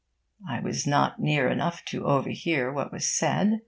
I was not near enough to overhear what was said.